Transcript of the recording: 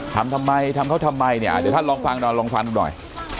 ทำทำไมทำเขาทำไมเนี่ยเดี๋ยวท่านลองฟังหน่อยลองฟังดูหน่อย